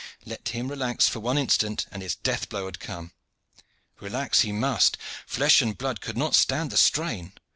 Let him relax for one instant, and his death blow had come. Relax he must! Flesh and blood could not stand the strain.